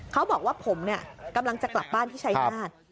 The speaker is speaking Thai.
เขาบอกว่าผมเนี่ยกำลังจะกลับบ้านที่ชายนาฏ